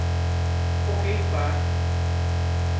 Coqueiro Baixo